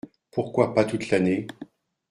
Pourquoi pas toute l’année ?